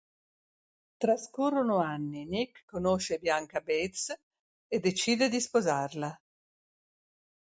Trascorrono anni, Nick conosce Bianca Bates e decide di sposarla.